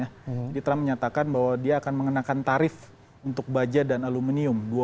jadi trump menyatakan bahwa dia akan mengenakan tarif untuk baja dan aluminium